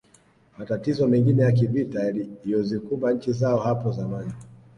Matatizo mengine ya kivita yaliyozikumba nchi zao hapo zamani